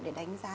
để đánh giá